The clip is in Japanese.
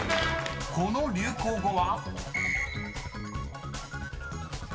［この流行語は？］